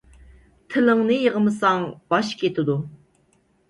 تىلىڭنى يىغمىساڭ باش كېتىدۇ.